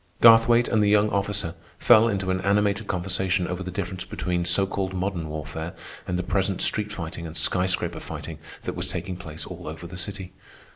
Garthwaite and the young officer fell into an animated conversation over the difference between so called modern warfare and the present street fighting and sky scraper fighting that was taking place all over the city.